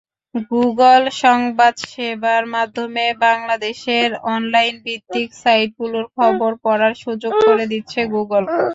Google সংবাদসেবার মাধ্যমে বাংলাদেশের অনলাইনভিত্তিক সাইটগুলোর খবর পড়ার সুযোগ করে দিচ্ছে গুগল।